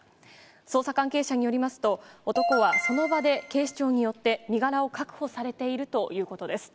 捜査関係者によりますと、男はその場で警視庁によって身柄を確保されているということです。